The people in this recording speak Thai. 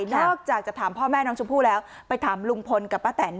นอกจากจะถามพ่อแม่น้องชมพู่แล้วไปถามลุงพลกับป้าแตน